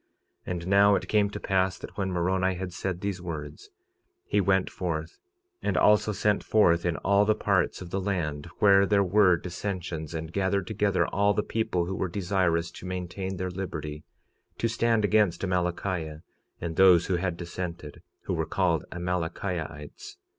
46:28 And now it came to pass that when Moroni had said these words he went forth, and also sent forth in all the parts of the land where there were dissensions, and gathered together all the people who were desirous to maintain their liberty, to stand against Amalickiah and those who had dissented, who were called Amalickiahites.